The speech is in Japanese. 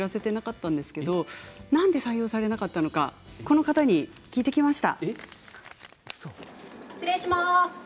浅井君には知らせていなかったんですけどなんで採用されなかったのか聞いてきました。